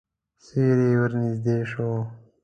سیوری ورنږدې شو.